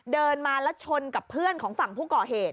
เดินมาแล้วชนกับเพื่อนของฝั่งผู้ก่อเหตุ